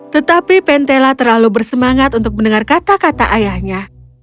tetapi pentela terlalu bersemangat untuk mendengar kata kata ayahnya